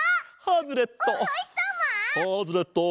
ハズレット。